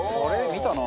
見たな。